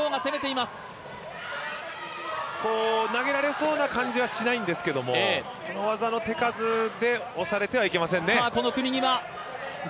投げられそうな感じはしないんですけども技の手数で押されてはいけませんね。